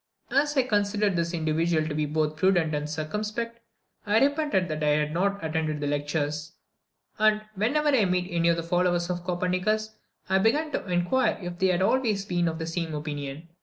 As I considered this individual to be both prudent and circumspect, I repented that I had not attended the lectures; and, whenever I met any of the followers of Copernicus, I began to inquire if they had always been of the same opinion.